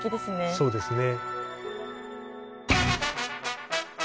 そうですね。